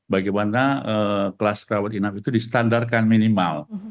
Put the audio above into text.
bagaimana kelas krawat inap itu di standarkan minimal